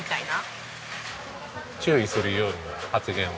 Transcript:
注意するように発言は。